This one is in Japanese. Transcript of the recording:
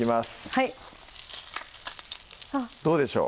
はいどうでしょう？